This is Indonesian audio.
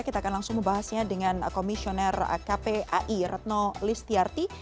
kita akan langsung membahasnya dengan komisioner kpai retno listiarti